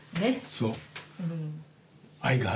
そう。